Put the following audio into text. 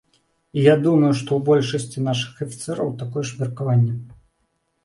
І я думаю, што ў большасці нашых афіцэраў такое ж меркаванне.